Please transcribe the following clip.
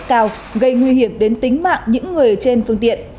tốc độ cao gây nguy hiểm đến tính mạng những người trên phương tiện